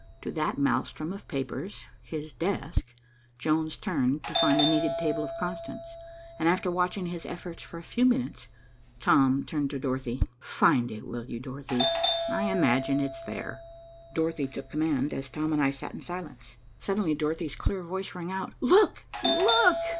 To that maelstrom of papers, his desk, Jones turned to find the needed table of constants, and, after watching his efforts for a few minutes, Tom turned to Dorothy. "Find it, will you, Dorothy? I imagine it's there." Dorothy took command, as Tom and I sat in silence. Suddenly Dorothy's clear voice rang out. "Look, look!"